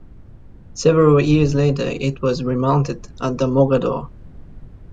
Several years later, it was remounted at the Mogador.